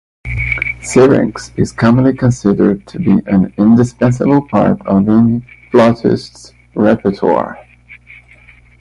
"Syrinx" is commonly considered to be an indispensable part of any flautist's repertoire.